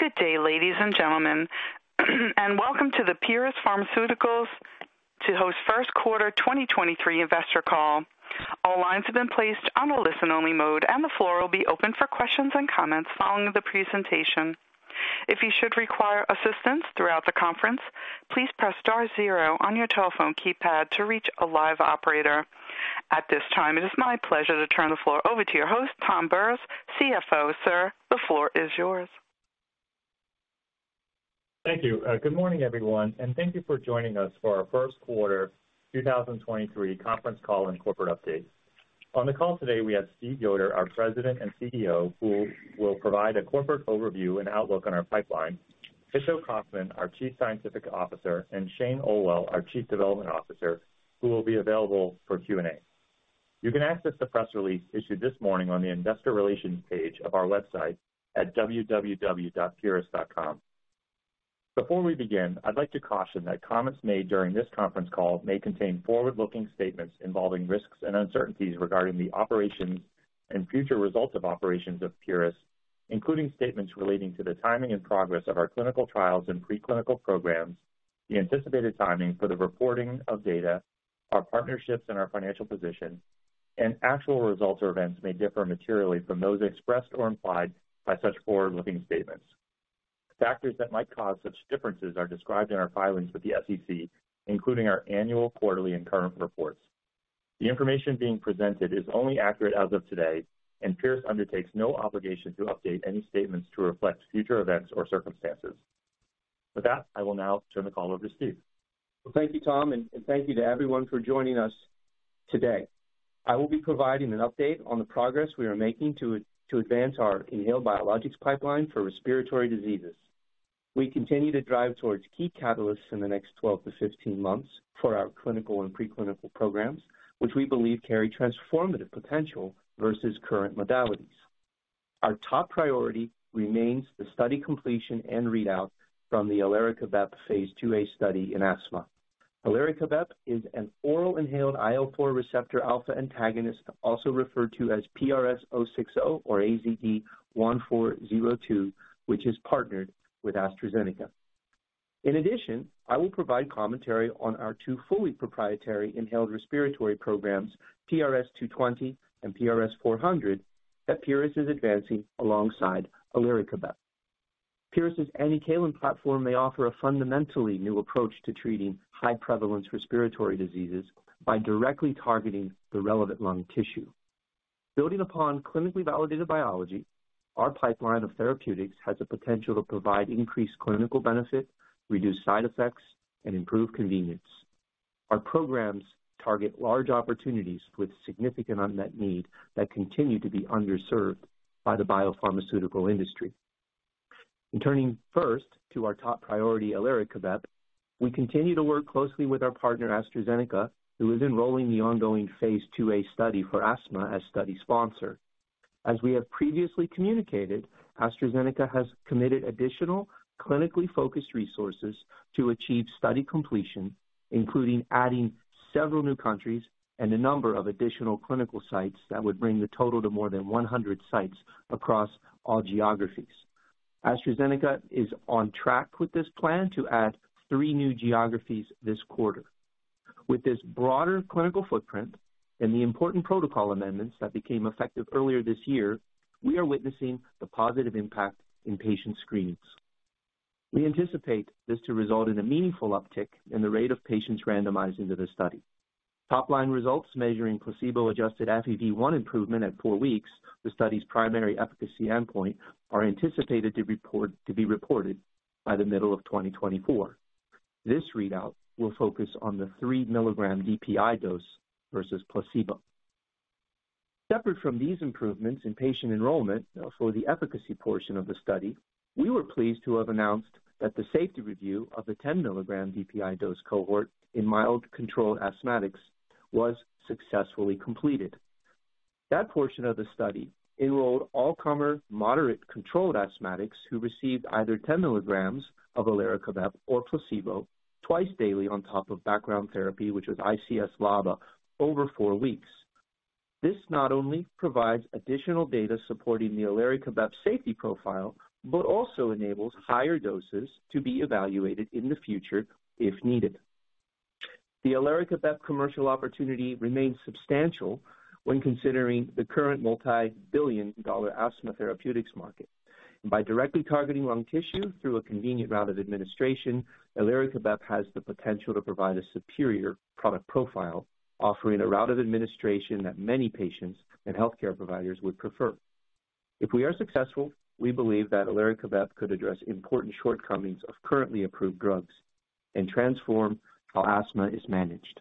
Good day, ladies and gentlemen and welcome to the Pieris Pharmaceuticals to host first quarter 2023 investor call. All lines have been placed on a listen-only mode. The floor will be open for questions and comments following the presentation. If you should require assistance throughout the conference, please press star zero on your telephone keypad to reach a live operator. At this time, it is my pleasure to turn the floor over to your host, Tom Bures, CFO. Sir, the floor is yours. Thank you. Good morning, everyone, and thank you for joining us for our 1st quarter 2023 conference call and corporate update. On the call today, we have Steve Yoder, our President and CEO, who will provide a corporate overview and outlook on our pipeline. Hitto Kaufmann, our Chief Scientific Officer, and Shane Olwill, our Chief Development Officer, who will be available for Q&A. You can access the press release issued this morning on the investor relations page of our website at www.pieris.com. Before we begin, I'd like to caution that comments made during this conference call may contain forward-looking statements involving risks and uncertainties regarding the operations and future results of operations of Pieris, including statements relating to the timing and progress of our clinical trials and preclinical programs, the anticipated timing for the reporting of data, our partnerships, and our financial position. Actual results or events may differ materially from those expressed or implied by such forward-looking statements. Factors that might cause such differences are described in our filings with the SEC, including our annual, quarterly, and current reports. The information being presented is only accurate as of today, and Pieris undertakes no obligation to update any statements to reflect future events or circumstances. With that, I will now turn the call over to Steve. Well, thank you, Tom, and thank you to everyone for joining us today. I will be providing an update on the progress we are making to advance our inhaled biologics pipeline for respiratory diseases. We continue to drive towards key catalysts in the next 12 to 15 months for our clinical and pre-clinical programs, which we believe carry transformative potential versus current modalities. Our top priority remains the study completion and readout from the elarekibep phase iia study in asthma. elarekibep is an oral inhaled IL-4 receptor alpha antagonist, also referred to as PRS-060 or AZD-1402, which is partnered with AstraZeneca. I will provide commentary on our two fully proprietary inhaled respiratory programs, PRS-220 and PRS-400, that Pieris is advancing alongside elarekibep. Pieris's Anticalin platform may offer a fundamentally new approach to treating high prevalence respiratory diseases by directly targeting the relevant lung tissue. Building upon clinically validated biology, our pipeline of therapeutics has the potential to provide increased clinical benefit, reduce side effects, and improve convenience. Our programs target large opportunities with significant unmet need that continue to be underserved by the biopharmaceutical industry. In turning first to our top priority, elarekibep, we continue to work closely with our partner, AstraZeneca, who is enrolling the ongoing phase iia study for asthma as study sponsor. As we have previously communicated, AstraZeneca has committed additional clinically focused resources to achieve study completion, including adding several new countries and a number of additional clinical sites that would bring the total to more than 100 sites across all geographies. AstraZeneca is on track with this plan to add three new geographies this quarter. With this broader clinical footprint and the important protocol amendments that became effective earlier this year, we are witnessing the positive impact in patient screens. We anticipate this to result in a meaningful uptick in the rate of patients randomized into the study. Top line results measuring placebo-adjusted FEV1 improvement at 4 weeks, the study's primary efficacy endpoint, are anticipated to be reported by the middle of 2024. This readout will focus on the 3-milligram DPI dose versus placebo. Separate from these improvements in patient enrollment for the efficacy portion of the study, we were pleased to have announced that the safety review of the 10-milligram DPI dose cohort in mild controlled asthmatics was successfully completed. That portion of the study enrolled all-comer moderate controlled asthmatics who received either 10 milligrams of elarekibep or placebo twice daily on top of background therapy, which was ICS/LABA over 4 weeks. This not only provides additional data supporting the elarekibep safety profile, but also enables higher doses to be evaluated in the future if needed. The elarekibep commercial opportunity remains substantial when considering the current multi-billion dollar asthma therapeutics market. By directly targeting lung tissue through a convenient route of administration, elarekibep has the potential to provide a superior product profile, offering a route of administration that many patients and healthcare providers would prefer. If we are successful, we believe that elarekibep could address important shortcomings of currently approved drugs and transform how asthma is managed.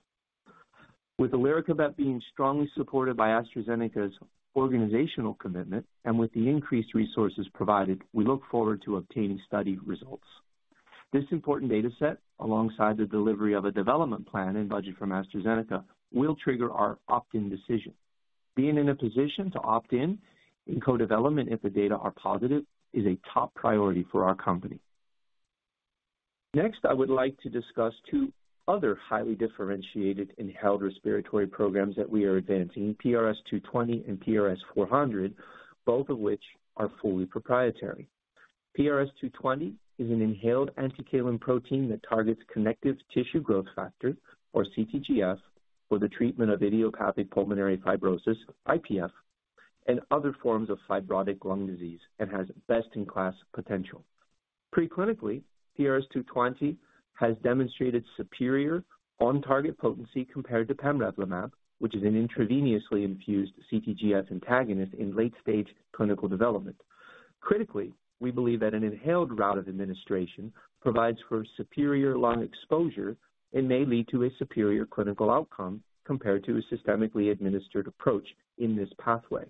With elarekibep being strongly supported by AstraZeneca's organizational commitment and with the increased resources provided, we look forward to obtaining study results. This important data set, alongside the delivery of a development plan and budget from AstraZeneca, will trigger our opt-in decision. Being in a position to opt-in in co-development if the data are positive is a top priority for our company. I would like to discuss two other highly differentiated inhaled respiratory programs that we are advancing, PRS-220 and PRS-400, both of which are fully proprietary. PRS-220 is an inhaled Anticalin protein that targets connective tissue growth factor, or CTGF, for the treatment of idiopathic pulmonary fibrosis, IPF, and other forms of fibrotic lung disease, and has best-in-class potential. Preclinically, PRS-220 has demonstrated superior on-target potency compared to pamrevlumab, which is an intravenously infused CTGF antagonist in late-stage clinical development. Critically, we believe that an inhaled route of administration provides for superior lung exposure and may lead to a superior clinical outcome compared to a systemically administered approach in this pathway.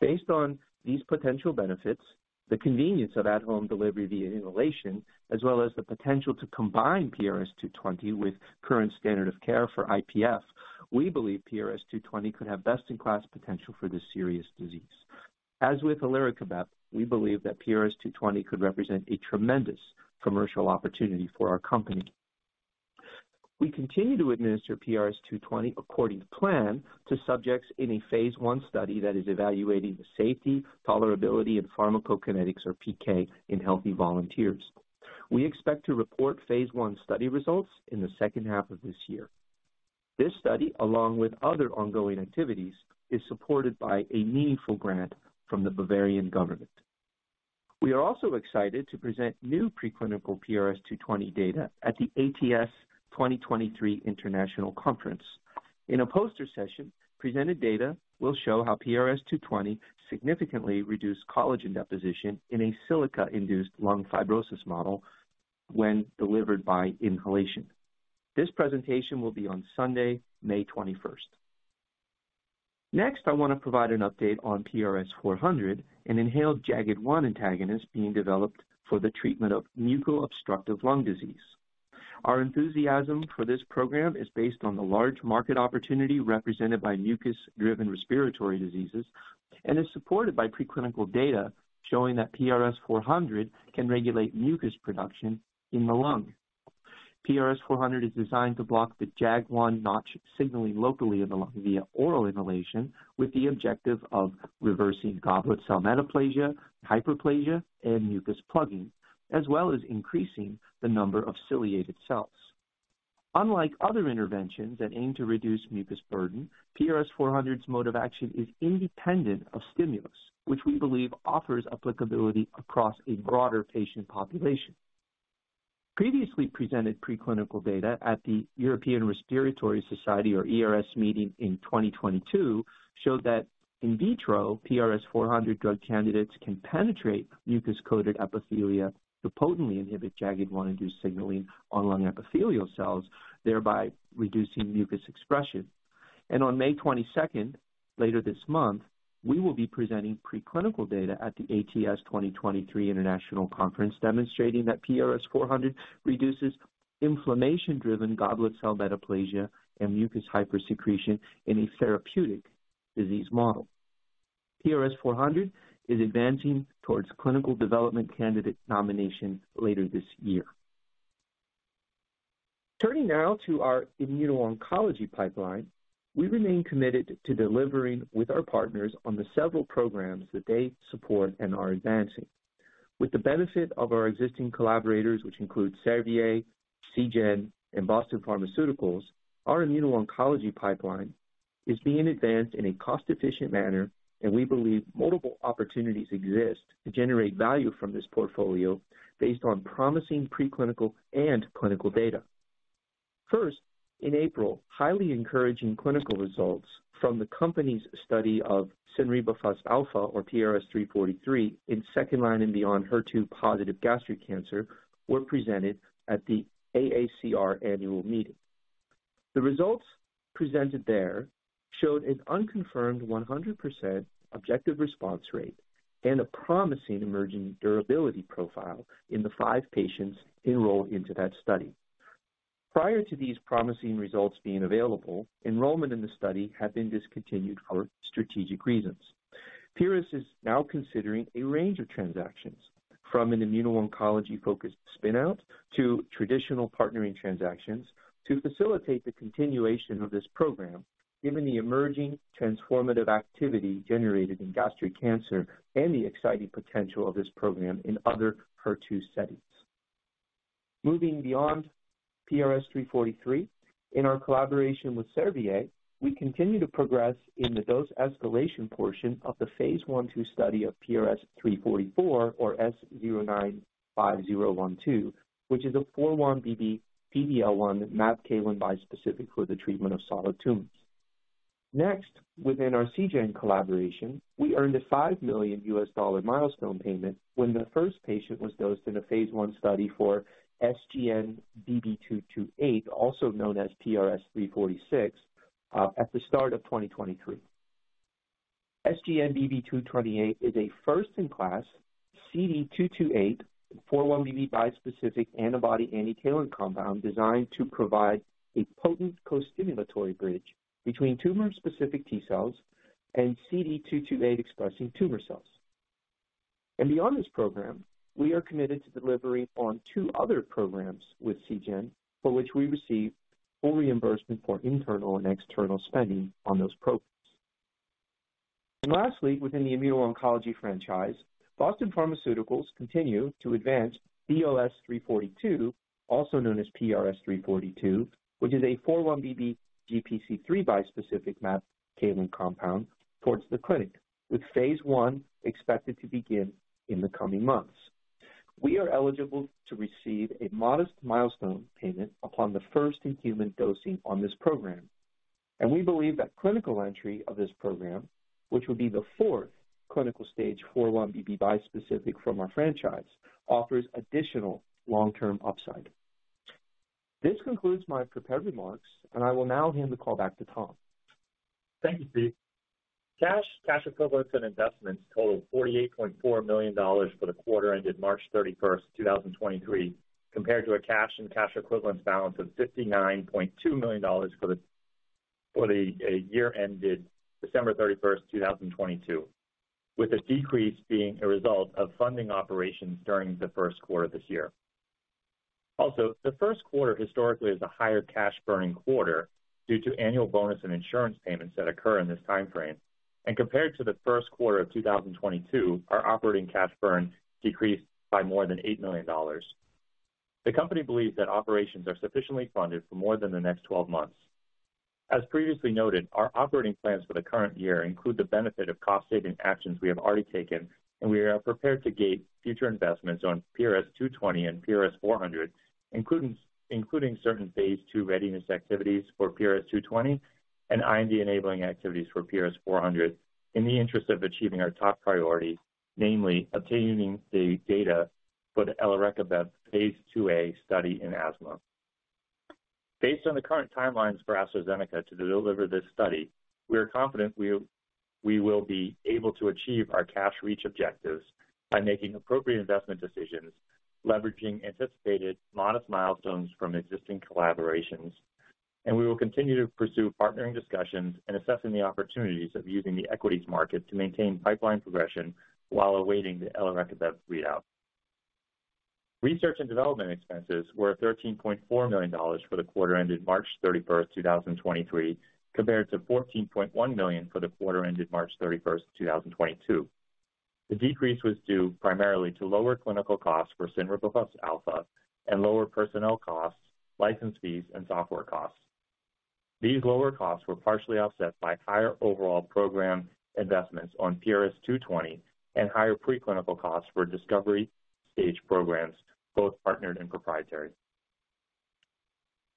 Based on these potential benefits, the convenience of at-home delivery via inhalation, as well as the potential to combine PRS-220 with current standard of care for IPF, we believe PRS-220 could have best-in-class potential for this serious disease. As with elarekibep, we believe that PRS-220 could represent a tremendous commercial opportunity for our company. We continue to administer PRS-220 according to plan to subjects in a phase I study that is evaluating the safety, tolerability and pharmacokinetics, or PK, in healthy volunteers. We expect to report phase I study results in the second half of this year. This study, along with other ongoing activities, is supported by a meaningful grant from the Bavarian government. We are also excited to present new preclinical PRS-220 data at the ATS 2023 International Conference. In a poster session, presented data will show how PRS-220 significantly reduced collagen deposition in a silica-induced lung fibrosis model when delivered by inhalation. This presentation will be on Sunday, May 21st. Next, I want to provide an update on PRS-400, an inhaled Jagged-1 antagonist being developed for the treatment of muco-obstructive lung disease. Our enthusiasm for this program is based on the large market opportunity represented by mucus-driven respiratory diseases and is supported by preclinical data showing that PRS-400 can regulate mucus production in the lung. PRS-400 is designed to block the JAG1/Notch signaling locally in the lung via oral inhalation with the objective of reversing goblet cell metaplasia, hyperplasia and mucus plugging, as well as increasing the number of ciliated cells. Unlike other interventions that aim to reduce mucus burden, PRS-400's mode of action is independent of stimulus, which we believe offers applicability across a broader patient population. Previously presented preclinical data at the European Respiratory Society, or ERS, meeting in 2022 showed that in vitro, PRS-400 drug candidates can penetrate mucus-coated epithelia to potently inhibit Jagged-1 induced signaling on lung epithelial cells, thereby reducing mucus expression. On May 22nd, later this month, we will be presenting preclinical data at the ATS 2023 International Conference demonstrating that PRS-400 reduces inflammation-driven goblet cell metaplasia and mucus hypersecretion in a therapeutic disease model. PRS-400 is advancing towards clinical development candidate nomination later this year. Turning now to our immuno-oncology pipeline, we remain committed to delivering with our partners on the several programs that they support and are advancing. With the benefit of our existing collaborators, which include Servier, Seagen, and Boston Pharmaceuticals, our immuno-oncology pipeline is being advanced in a cost-efficient manner, and we believe multiple opportunities exist to generate value from this portfolio based on promising pre-clinical and clinical data. First, in April, highly encouraging clinical results from the company's study of cinrebafusp alfa or PRS-343 in second-line and beyond HER2-positive gastric cancer were presented at the AACR annual meeting. The results presented there showed an unconfirmed 100% objective response rate and a promising emerging durability profile in the five patients enrolled into that study. Prior to these promising results being available, enrollment in the study had been discontinued for strategic reasons. Pieris is now considering a range of transactions from an immuno-oncology focused spin-out to traditional partnering transactions to facilitate the continuation of this program given the emerging transformative activity generated in gastric cancer and the exciting potential of this program in other HER2 settings. Moving beyond PRS-343, in our collaboration with Servier, we continue to progress in the dose escalation portion of the phase I/2 study of PRS-344 or S095012 which is a 4-1BB PD-L1 Mabcalin bispecific for the treatment of solid tumors. Next, within our Seagen collaboration, we earned a $5 million milestone payment when the first patient was dosed in a phase I study for SGN-BB228, also known as PRS-346, at the start of 2023. SGN-BB228 is a first in class CD228 and 4-1BB bispecific antibody Anticalin compound designed to provide a potent co-stimulatory bridge between tumor-specific T-cells and CD228 expressing tumor cells. Beyond this program, we are committed to delivering on two other programs with Seagen, for which we receive full reimbursement for internal and external spending on those programs. Lastly, within the immuno-oncology franchise, Boston Pharmaceuticals continue to advance BOS-342, also known as PRS-342, which is a 4-1BB GPC3 bispecific Mabcalin compound towards the clinic, with phase I expected to begin in the coming months. We are eligible to receive a modest milestone payment upon the first human dosing on this program, and we believe that clinical entry of this program, which will be the fourth clinical stage 4-1BB bispecific from our franchise, offers additional long-term upside. This concludes my prepared remarks, and I will now hand the call back to Tom. Thank you, Steve. Cash, cash equivalents and investments totaled $48.4 million for the quarter ended March 31, 2023, compared to a cash and cash equivalents balance of $59.2 million for the year ended December 31, 2022, with the decrease being a result of funding operations during the first quarter this year. The first quarter historically is a higher cash burning quarter due to annual bonus and insurance payments that occur in this time frame. Compared to the first quarter of 2022, our operating cash burn decreased by more than $8 million. The company believes that operations are sufficiently funded for more than the next 12 months. As previously noted, our operating plans for the current year include the benefit of cost saving actions we have already taken, and we are prepared to gate future investments on PRS-220 and PRS-400, including certain phase ii readiness activities for PRS-220 and IND enabling activities for PRS-400 in the interest of achieving our top priority, namely obtaining the data for the elarekibep phase iia study in asthma. Based on the current timelines for AstraZeneca to deliver this study, we are confident we will be able to achieve our cash reach objectives by making appropriate investment decisions, leveraging anticipated modest milestones from existing collaborations. We will continue to pursue partnering discussions and assessing the opportunities of using the equities market to maintain pipeline progression while awaiting the elarekibep readout. Research and development expenses were $13.4 million for the quarter ended March 31, 2023, compared to $14.1 million for the quarter ended March 31, 2022. The decrease was due primarily to lower clinical costs for cinrebafusp alfa and lower personnel costs, license fees and software costs. These lower costs were partially offset by higher overall program investments on PRS-220 and higher pre-clinical costs for discovery stage programs, both partnered and proprietary.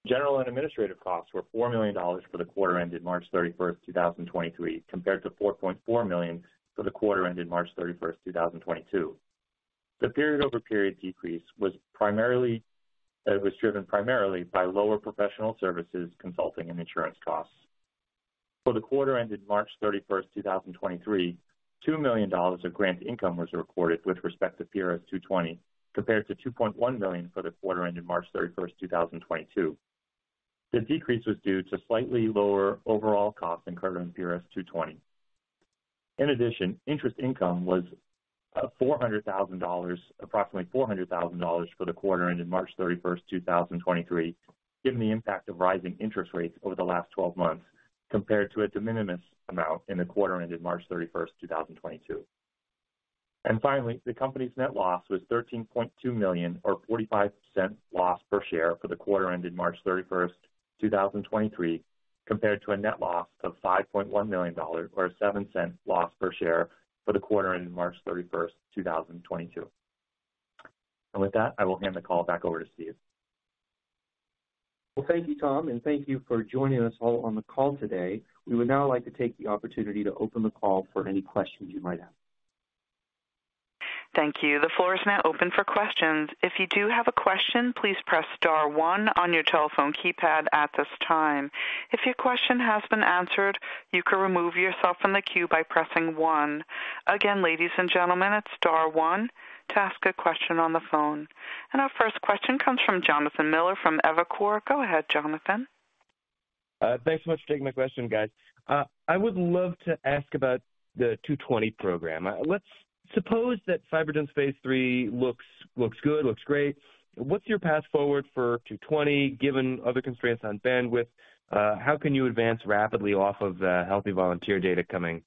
General and administrative costs were $4 million for the quarter ended March 31, 2023, compared to $4.4 million for the quarter ended March 31, 2022. The period-over-period decrease was primarily driven by lower professional services, consulting and insurance costs. For the quarter ended March 31st, 2023, $2 million of grant income was recorded with respect to PRS-220, compared to $2.1 million for the quarter ended March 31st, 2022. The decrease was due to slightly lower overall costs incurred on PRS-220. In addition, interest income was $400,000, approximately $400,000 for the quarter ended March 31st, 2023, given the impact of rising interest rates over the last 12 months, compared to a de minimis amount in the quarter ended March 31st, 2022. Finally, the company's net loss was $13.2 million or $0.45 loss per share for the quarter ended March 31st, 2023, compared to a net loss of $5.1 million or $0.07 loss per share for the quarter ended March 31st, 2022. With that, I will hand the call back over to Steve. Well, thank you, Tom, and thank you for joining us all on the call today. We would now like to take the opportunity to open the call for any questions you might have. Thank you. The floor is now open for questions. If you do have a question, please press star one on your telephone keypad at this time. If your question has been answered, you can remove yourself from the queue by pressing one. Again, ladies and gentlemen, it's star one to ask a question on the phone. Our first question comes from Jonathan Miller from Evercore. Go ahead, Jonathan. Thanks so much for taking my question, guys. I would love to ask about the 220 program. Let's suppose that FibroGen's phase III looks good, looks great. What's your path forward for 220, given other constraints on bandwidth? How can you advance rapidly off of the healthy volunteer data coming,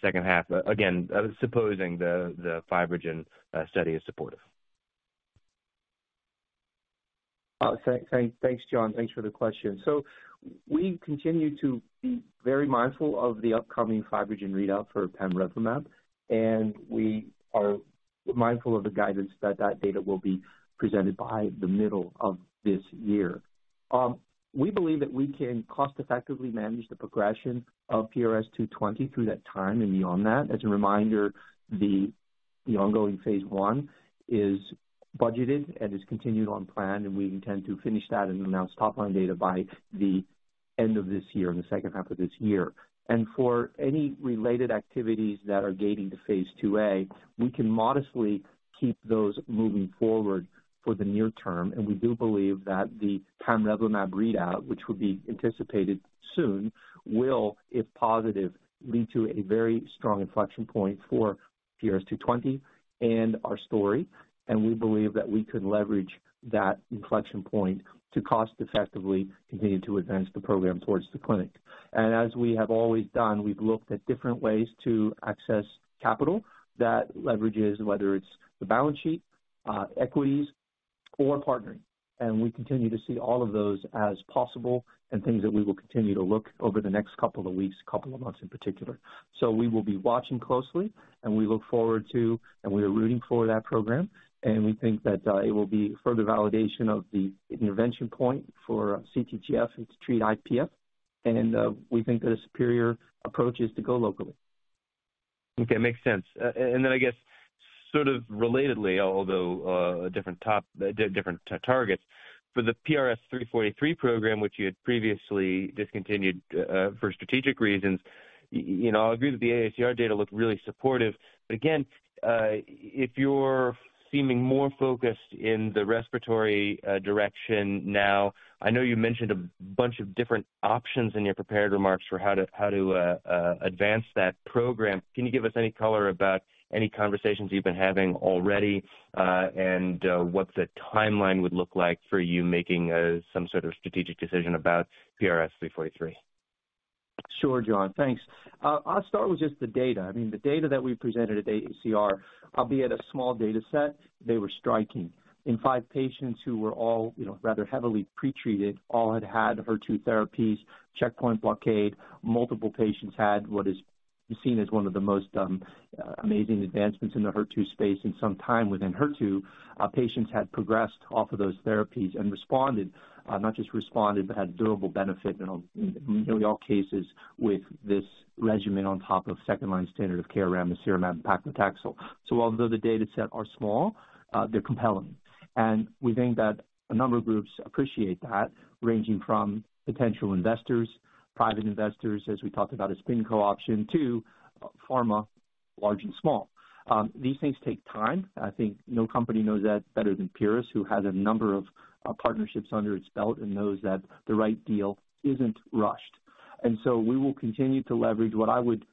second half? Again, supposing the FibroGen study is supportive. Thanks, Jon. Thanks for the question. We continue to be very mindful of the upcoming FibroGen readout for pamrevlumab, and we are mindful of the guidance that that data will be presented by the middle of this year. We believe that we can cost effectively manage the progression of PRS-220 through that time and beyond that. As a reminder, the ongoing phase one is budgeted and is continued on plan, and we intend to finish that and announce top line data by the end of this year, in the second half of this year. For any related activities that are gating to phase iia, we can modestly keep those moving forward for the near term. We do believe that the pamrevlumab readout, which would be anticipated soon, will, if positive, lead to a very strong inflection point for PRS-220 and our story. We believe that we can leverage that inflection point to cost-effectively continue to advance the program towards the clinic. As we have always done, we've looked at different ways to access capital that leverages, whether it's the balance sheet, equities or partnering. We continue to see all of those as possible and things that we will continue to look over the next couple of weeks, couple of months in particular. We will be watching closely, and we look forward to, and we are rooting for that program, and we think that it will be further validation of the intervention point for CTGF and to treat IPF. We think a superior approach is to go locally. Okay, makes sense. Then I guess sort of relatedly, although, a different targets. For the PRS-343 program, which you had previously discontinued, for strategic reasons. You know, I'll agree that the AACR data looked really supportive. Again, if you're seeming more focused in the respiratory, direction now, I know you mentioned a bunch of different options in your prepared remarks for how to advance that program. Can you give us any color about any conversations you've been having already, and what the timeline would look like for you making some sort of strategic decision about PRS-343? Sure, Jon. Thanks. I'll start with just the data. I mean, the data that we presented at AACR, albeit a small data set, they were striking. In five patients who were all, you know, rather heavily pretreated, all had had HER2 therapies, checkpoint blockade, multiple patients had what is seen as one of the most amazing advancements in the HER2 space in some time with Enhertu. Our patients had progressed off of those therapies and responded. Not just responded, but had durable benefit in all, nearly all cases with this regimen on top of second-line standard of care ramucirumab, paclitaxel. Although the data set are small, they're compelling. We think that a number of groups appreciate that, ranging from potential investors, private investors, as we talked about a spin co option, to pharma, large and small. These things take time. I think no company knows that better than Pieris, who has a number of partnerships under its belt and knows that the right deal isn't rushed. We will continue to leverage what I would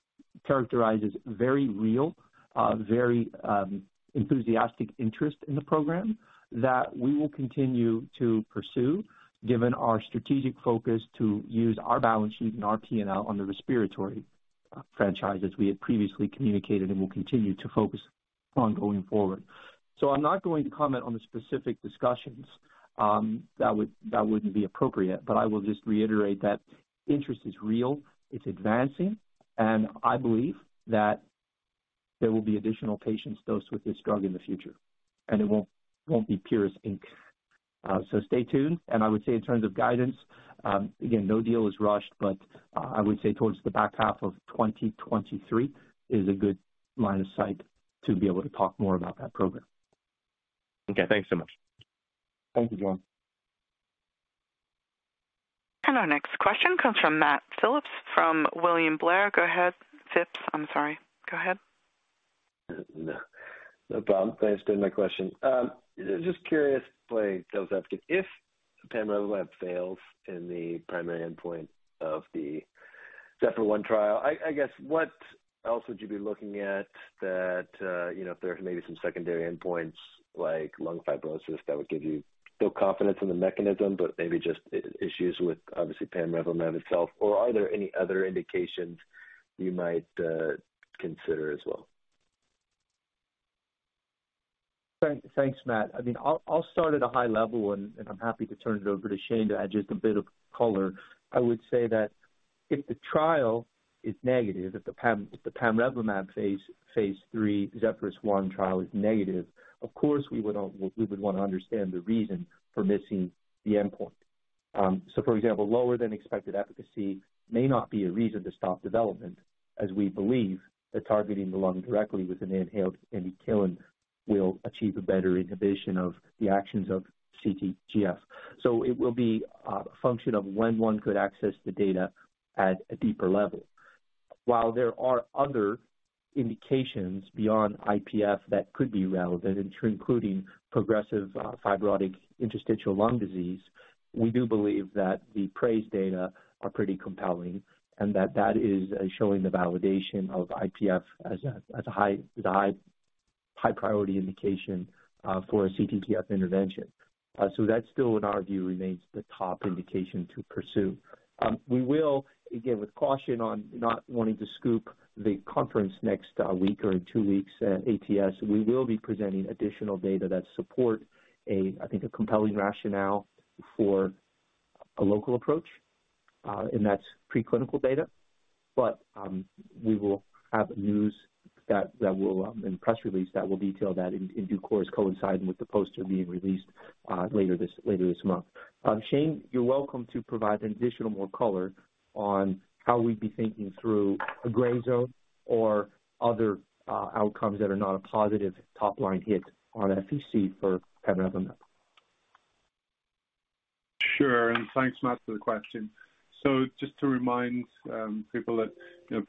characterize as very real, very enthusiastic interest in the program that we will continue to pursue, given our strategic focus to use our balance sheet and our P&L on the respiratory franchise, as we had previously communicated and will continue to focus on going forward. I'm not going to comment on the specific discussions that wouldn't be appropriate, but I will just reiterate that interest is real, it's advancing, and I believe that there will be additional patients dosed with this drug in the future, and it won't be Pieris Inc. Stay tuned. I would say in terms of guidance, again, no deal is rushed, but I would say towards the back half of 2023 is a good line of sight to be able to talk more about that program. Okay, thanks so much. Thank you, Jon. Our next question comes from Matt Phipps from William Blair. Go ahead, Phipps. I'm sorry. Go ahead. No, no problem. Thanks for taking my question. Just curious, playing devil's advocate, if pamrevlumab fails in the primary endpoint of the ZEPHYRUS-1 trial, I guess what else would you be looking at that, you know, if there are maybe some secondary endpoints like lung fibrosis that would give you still confidence in the mechanism, but maybe just issues with obviously pamrevlumab itself or are there any other indications you might consider as well? Thanks, Matt. I mean, I'll start at a high level and I'm happy to turn it over to Shane to add just a bit of color. I would say that if the trial is negative, if the pamrevlumab phase III ZEPHYRUS-1 trial is negative, of course we would wanna understand the reason for missing the endpoint. For example, lower than expected efficacy may not be a reason to stop development as we believe that targeting the lung directly with an inhaled Anticalin will achieve a better inhibition of the actions of CTGF. It will be a function of when one could access the data at a deeper level. While there are other indications beyond IPF that could be relevant, including progressive fibrotic interstitial lung disease, we do believe that the PRAISE data are pretty compelling and that that is showing the validation of IPF as a high priority indication for a CTGF intervention. That still in our view remains the top indication to pursue. We will again with caution on not wanting to scoop the conference next week or in 2 weeks at ATS. We will be presenting additional data that support a, I think, a compelling rationale for a local approach, and that's pre-clinical data. We will have news that will, and press release that will detail that in due course coinciding with the poster being released later this month. Shane, you're welcome to provide any additional more color on how we'd be thinking through a gray zone or other outcomes that are not a positive top line hit on FVC for pamrevlumab. Sure. Thanks, Matt, for the question. Just to remind, people that, you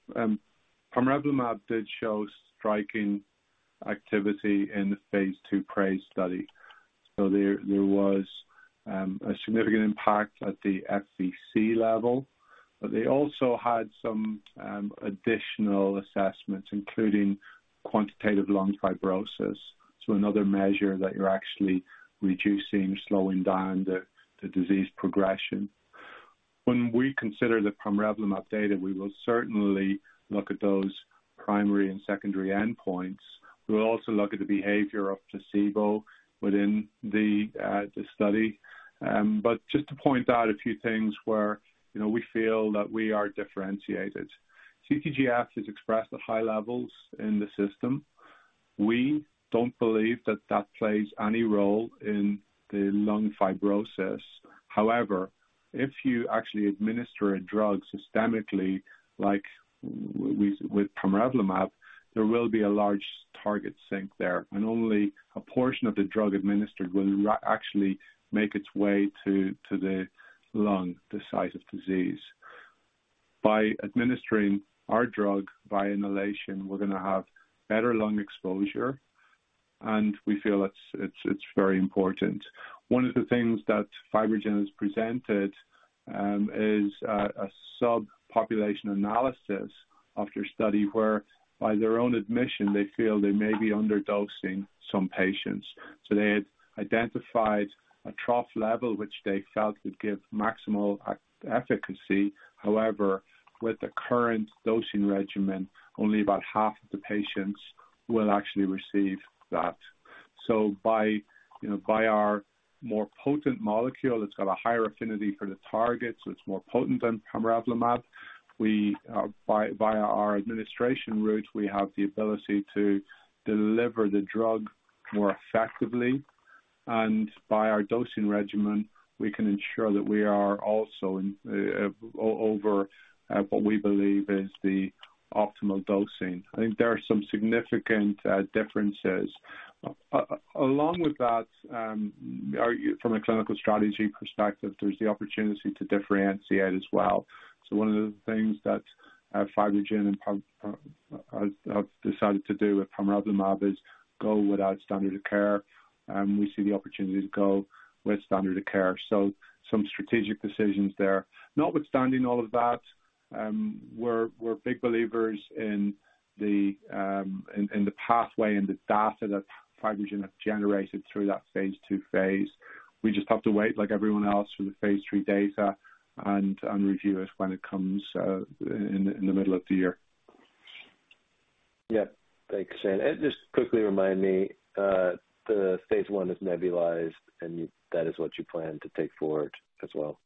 know, pamrevlumab did show striking activity in the phase ii PRAISE study. There was a significant impact at the FVC level. They also had some additional assessments, including quantitative lung fibrosis. Another measure that you're actually reducing, slowing down the disease progression. When we consider the pamrevlumab data, we will certainly look at those primary and secondary endpoints. We'll also look at the behavior of placebo within the study. Just to point out a few things where, you know, we feel that we are differentiated. CTGF is expressed at high levels in the system. We don't believe that that plays any role in the lung fibrosis. However, if you actually administer a drug systemically, like with pamrevlumab, there will be a large target sink there, and only a portion of the drug administered will actually make its way to the lung, the site of disease. By administering our drug by inhalation, we're gonna have better lung exposure, and we feel it's very important. One of the things that FibroGen has presented is a subpopulation analysis of their study where, by their own admission, they feel they may be underdosing some patients. They had identified a trough level which they felt would give maximal efficacy. However, with the current dosing regimen, only about half of the patients will actually receive that. By, you know, by our more potent molecule, it's got a higher affinity for the target, so it's more potent than pamrevlumab. We, via our administration route, we have the ability to deliver the drug more effectively. By our dosing regimen, we can ensure that we are also over what we believe is the optimal dosing. I think there are some significant differences. Along with that, from a clinical strategy perspective, there's the opportunity to differentiate as well. One of the things that FibroGen and Pam have decided to do with pamrevlumab is go without standard of care, and we see the opportunity to go with standard of care. Some strategic decisions there. Notwithstanding all of that, we're big believers in the pathway and the data that FibroGen have generated through that phase ii phase. We just have to wait like everyone else for the phase III data and review it when it comes in the middle of the year. Yeah. Thanks, Shane. Just quickly remind me, the phase I is nebulized, and you, that is what you plan to take forward as well?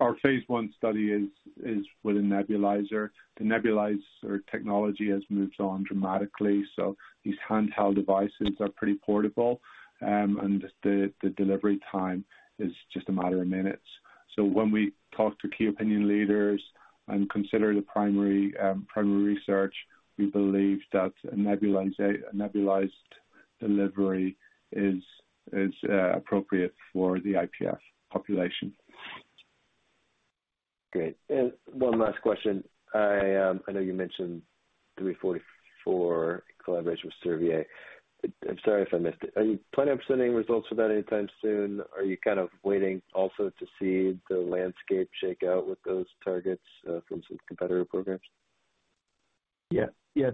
Our phase I study is with a nebulizer. The nebulizer technology has moved on dramatically. These handheld devices are pretty portable. And the delivery time is just a matter of minutes. When we talk to key opinion leaders and consider the primary primary research, we believe that a nebulized delivery is appropriate for the IPF population. Great. One last question. I know you mentioned 344 collaboration with Servier. I'm sorry if I missed it. Are you planning on sending results for that anytime soon? Are you kind of waiting also to see the landscape shake out with those targets from some competitor programs? Yeah.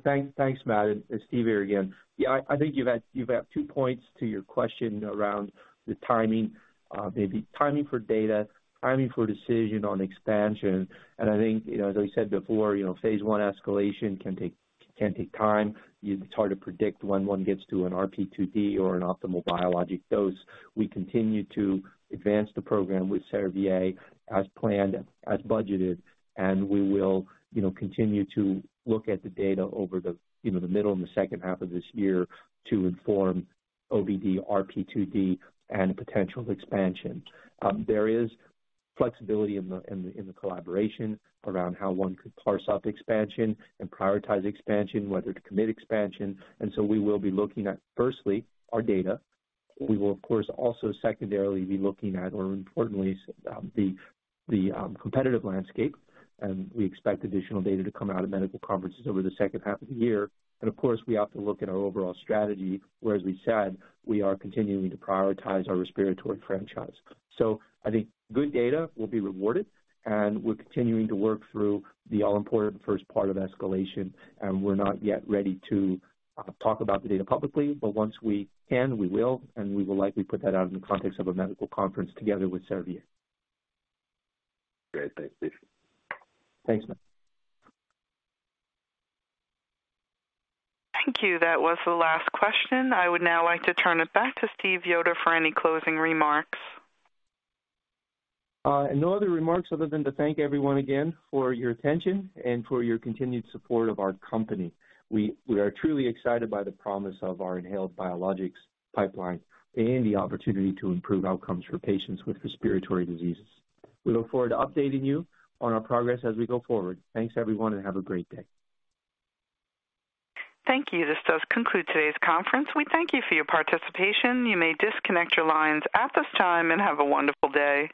Thanks, Matt. It's Steve here again. I think you've had 2 points to your question around the timing. Maybe timing for data, timing for decision on expansion. I think, you know, as I said before, you know, phase I escalation can take time. It's hard to predict when one gets to an RP2D or an optimal biologic dose. We continue to advance the program with Servier as planned, as budgeted, and we will, you know, continue to look at the data over the, you know, the middle and the second half of this year to inform OBD, RP2D and potential expansion. There is flexibility in the, in the, in the collaboration around how one could parse out the expansion and prioritize expansion, whether to commit expansion. We will be looking at firstly our data. We will of course also secondarily be looking at or importantly, the competitive landscape. We expect additional data to come out of medical conferences over the second half of the year. Of course we have to look at our overall strategy where as we said, we are continuing to prioritize our respiratory franchise. I think good data will be rewarded and we're continuing to work through the all-important first part of escalation. We're not yet ready to talk about the data publicly, but once we can, we will and we will likely put that out in the context of a medical conference together with Servier. Great. Thanks, Steve. Thanks, Matt. Thank you. That was the last question. I would now like to turn it back to Steve Yoder for any closing remarks. No other remarks other than to thank everyone again for your attention and for your continued support of our company. We are truly excited by the promise of our inhaled biologics pipeline and the opportunity to improve outcomes for patients with respiratory diseases. We look forward to updating you on our progress as we go forward. Thanks everyone and have a great day. Thank you. This does conclude today's conference. We thank you for your participation. You may disconnect your lines at this time and have a wonderful day.